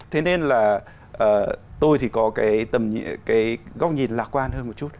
thế nên là tôi thì có cái góc nhìn lạc quan hơn một chút